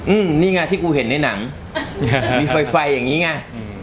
อืมนี่ไงที่กูเห็นในหนังมีไฟไฟอย่างงี้ไงอืม